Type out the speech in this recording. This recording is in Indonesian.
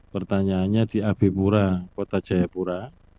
pertanyaannya di ab pura kota jaipura